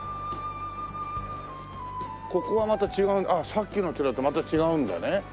ここはまた違うあっさっきの寺とまた違うんだね。